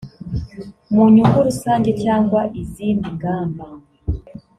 mu nyungu rusange cyangwa izindi ngamba